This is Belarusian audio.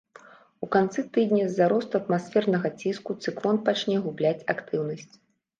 У канцы тыдня з-за росту атмасфернага ціску цыклон пачне губляць актыўнасць.